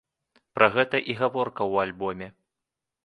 Пра гэта і гаворка ў альбоме.